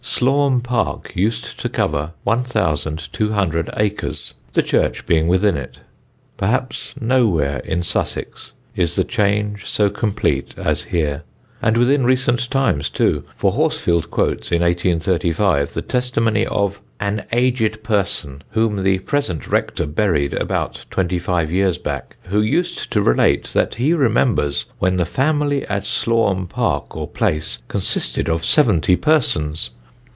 Slaugham Park used to cover 1200 acres, the church being within it. Perhaps nowhere in Sussex is the change so complete as here, and within recent times too, for Horsfield quotes, in 1835, the testimony of "an aged person, whom the present rector buried about twenty five years back, who used to relate, that he remembered when the family at Slaugham Park, or Place, consisted of seventy persons."